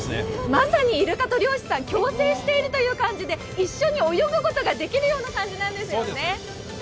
まさにイルカと漁師さん、共生しているということで一緒に泳ぐことができるような感じなんですよね。